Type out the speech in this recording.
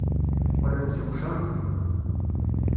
Qqlen-d seg ucanṭi.